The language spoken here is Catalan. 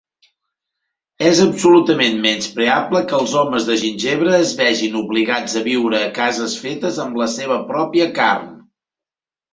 És absolutament menyspreable que els homes de gingebre es vegin obligats a viure a cases fetes amb la seva pròpia carn.